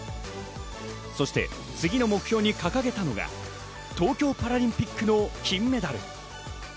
そして次の目標に掲げたのが東京パラリンピックの金メダル。